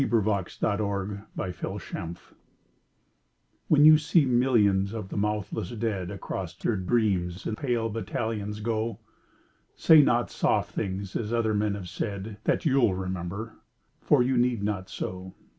XCI The Army of Death WHEN you see millions of the mouthless dead Across your dreams in pale battalions go, Say not soft things as other men have said, That you'll remember. For you need not so.